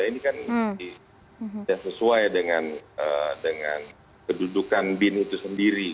ini kan sudah sesuai dengan kedudukan bin itu sendiri